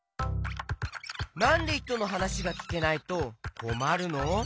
なんでひとのはなしがきけないとこまるの？